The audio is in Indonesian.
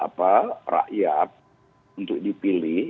apa rakyat untuk dipilih